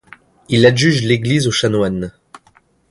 Il adjuge l'église aux chanoines.